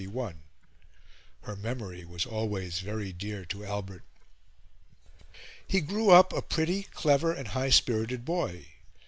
Her memory was always very dear to Albert. He grew up a pretty, clever, and high spirited boy.